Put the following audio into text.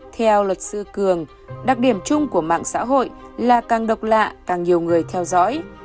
theo luật sư cường đặc điểm chung của mạng xã hội là càng độc lạ càng nhiều người theo dõi